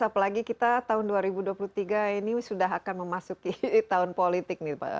apalagi kita tahun dua ribu dua puluh tiga ini sudah akan memasuki tahun politik nih pak